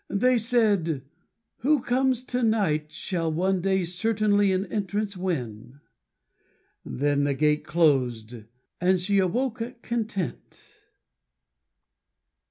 They said, "Who comes to night Shall one day certainly an entrance win;" Then the gate closed and she awoke content.